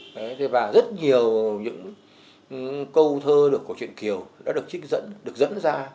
và rất nhiều những câu thơ của chuyện kiều đã được trích dẫn được dẫn ra